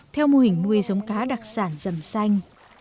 theo mô hình nuôi giống cá đặc sản dầm xanh